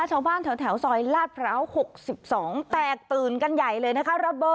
ชาวบ้านแถวซอยลาดพร้าว๖๒แตกตื่นกันใหญ่เลยนะคะ